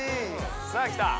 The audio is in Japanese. さあきた！